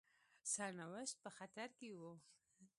سرنوشت په خطر کې وو.